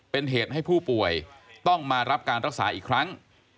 เป็นเหตุให้ผู้ป่วยต้องมารับการรักษาอีกครั้ง